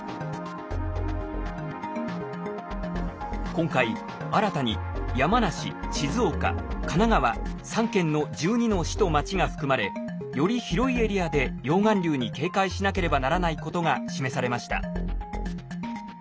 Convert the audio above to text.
今回新たに山梨静岡神奈川３県の１２の市と町が含まれより広いエリアで溶岩流に警戒しなければならないことが示されました。